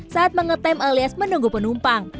saat mengetem alias menunggu penumpang